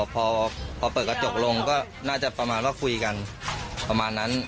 พอเปิดกระจกลงก็น่าจะประมาณว่าคุยกันประมาณนั้น